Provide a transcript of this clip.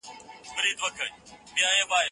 زه کولای سم سندري واورم!؟